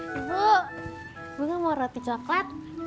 ibu ibu gak mau roti coklat